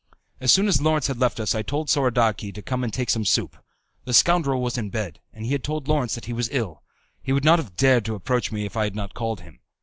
As soon as Lawrence had left us I told Soradaci to come and take some soup. The scoundrel was in bed, and he had told Lawrence that he was ill. He would not have dared to approach me if I had not called him.